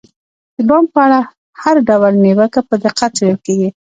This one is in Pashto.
د بانک په اړه هر ډول نیوکه په دقت څیړل کیږي.